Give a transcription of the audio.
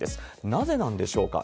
なぜなんでしょうか。